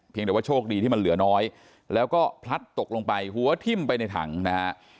แต่ว่าโชคดีที่มันเหลือน้อยแล้วก็พลัดตกลงไปหัวทิ้มไปในถังนะฮะ